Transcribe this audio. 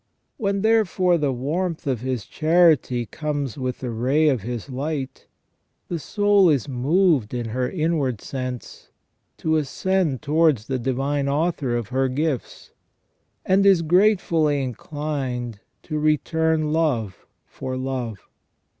When, therefore, the warmth of His charity comes with the ray of His light, the soul is moved in her inward sense to ascend towards the Divine Author of her gifts, and is gratefully inclined to return love for love.